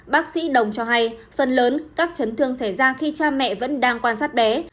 bác sĩ đồng cho hay phần lớn các chấn thương xảy ra khi cha mẹ vẫn đang quan sát bé